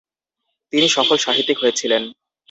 তিনি সফল সাহিত্যিক হয়েছিলেন।